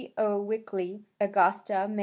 O. Wickley, Augusta, Me.